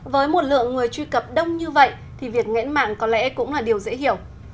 với một lượng người truy cập đông như vậy thì việc nghẽn mạng có lẽ cũng là điều dễ hiểu